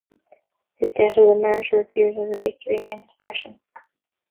His death as a martyr appears as a victory against oppression.